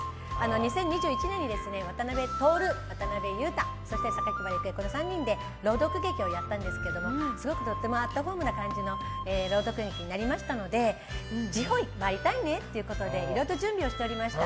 ２０２１年に渡辺徹、渡辺裕太そして榊原郁恵の３人で朗読劇をやったんですけどすごくアットホームな感じの朗読劇になりましたので地方を回りたいねということでいろいろと準備をしてました。